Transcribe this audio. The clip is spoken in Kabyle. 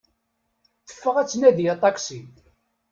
Teffeɣ ad d-tnadi aṭaksi.